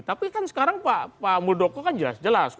tapi kan sekarang pak muldoko kan jelas jelas